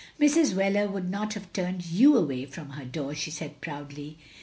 " Mrs. Wheler would not have turned you away from her door, *' she said, proudly.